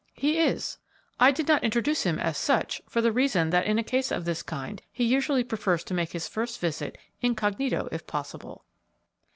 "He is. I did not introduce him as such, for the reason that in a case of this kind he usually prefers to make his first visit incognito if possible."